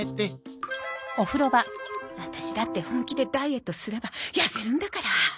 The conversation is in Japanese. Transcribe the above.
ワタシだって本気でダイエットすれば痩せるんだから！